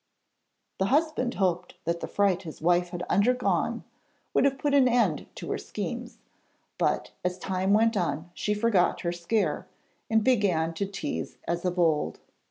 The husband hoped that the fright his wife had undergone would have put an end to her schemes, but as time went on she forgot her scare, and began to tease as of old.